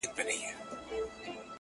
غمونه هېر سي اتڼونو ته ډولونو راځي-